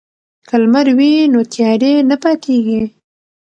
که لمر وي نو تیارې نه پاتیږي.